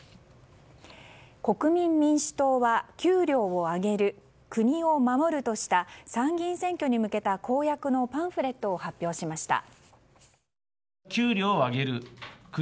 国民民主党は給料を上げる国を守るとした参議院選挙に向けた公約のパンフレットを発表しました。